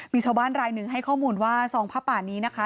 มีชาวบ้านรายหนึ่งให้ข้อมูลว่าซองผ้าป่านี้นะคะ